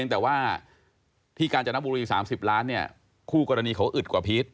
แต่ว่าที่กาญจนบุรี๓๐ล้านเนี่ยคู่กรณีเขาอึดกว่าพีช